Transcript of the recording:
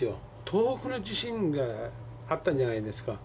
東北の地震があったじゃないですか。